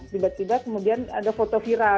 tiba tiba kemudian ada foto viral